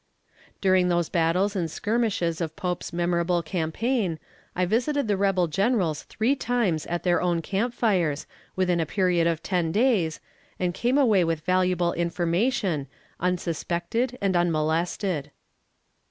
During those battles and skirmishes of Pope's memorable campaign, I visited the rebel generals three times at their own camp fires, within a period of ten days, and came away with valuable information, unsuspected and unmolested.